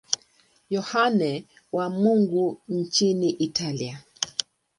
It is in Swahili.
Yohane wa Mungu nchini Italia.